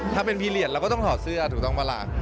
ถ้าเป็นพีเรียสเราก็ต้องถอดเสื้อถูกต้องปะล่ะ